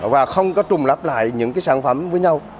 và không có trùng lắp lại những sản phẩm với nhau